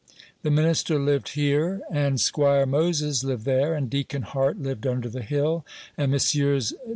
The minister lived here, and 'Squire Moses lived there, and Deacon Hart lived under the hill, and Messrs.